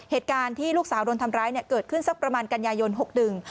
เหตุการณ์ที่ลูกสาวโดนทำร้ายเนี่ยเกิดขึ้นสักประมาณกันยายนหกหนึ่ง